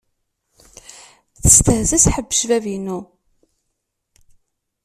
Testehza s ḥebb-cbab-inu.